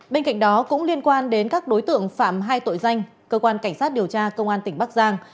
bên cạnh đó cũng liên quan đến các đối tượng phạm hai tội danh cơ quan cảnh sát điều tra công an tỉnh bắc giang